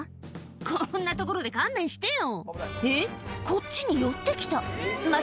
こんな所で勘弁してよ。